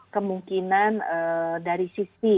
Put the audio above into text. kemungkinan dari sisi